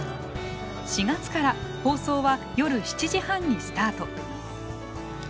４月から放送は夜７時半にスタート。